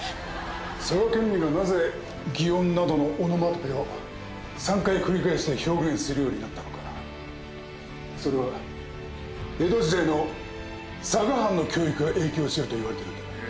佐賀県民がなぜ擬音などのオノマトペを３回繰り返して表現するようになったのかそれは江戸時代の佐賀藩の教育が影響してると言われてるんだ。